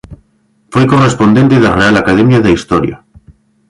Foi correspondente da Real Academia da Historia.